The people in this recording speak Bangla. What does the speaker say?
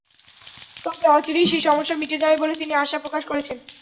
তবে অচিরেই সেই সমস্যা মিটে যাবে বলে তিনি আশা প্রকাশ করেছেন।